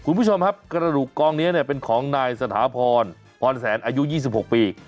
คุณผู้ชมครับกระดูกกองนี้เป็นของนายสถาพรพรแสนอายุ๒๖ปี